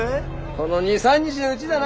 この２３日のうちだな。